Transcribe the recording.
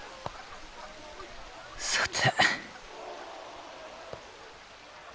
さて。